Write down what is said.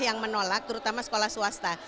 yang menolak terutama sekolah swasta